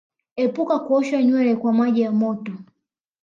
Epuka kuosha nywele kwa maji ya moto